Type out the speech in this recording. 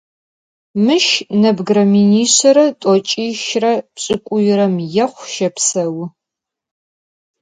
Mış nebgıre minişsere t'oç'işre pş'ık'uyrem yêxhu şepseu.